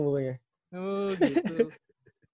di atas kairul tanjung pokoknya